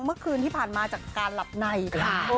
เมื่อคืนที่ผ่านมาจากการหลับในค่ะ